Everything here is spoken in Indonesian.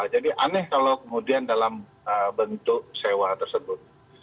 jadi aneh kalau kemudian dalam bentuk sewa tersebut